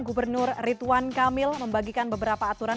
gubernur ridwan kamil membagikan beberapa aturan